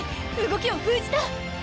動きをふうじた！